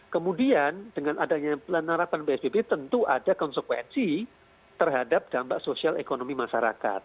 kemudian dengan adanya penerapan psbb tentu ada konsekuensi terhadap dampak sosial ekonomi masyarakat